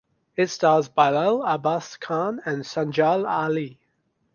It stars Bilal Abbas Khan and Sajal Aly.